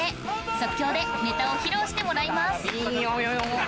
即興でネタを披露してもらいます